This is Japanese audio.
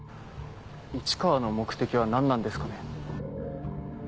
市川の目的は何なんですかね？